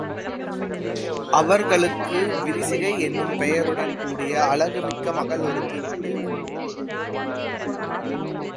அவர்களுக்கு விரிசிகை என்னும் பெயருடன் கூடிய அழகு மிக்க மகள் ஒருத்தி உண்டு.